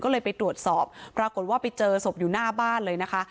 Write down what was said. ก็เลยไปตรวจสอบปรากฏว่าไปเจอศพอยู่หน้าบ้านเลยนะคะ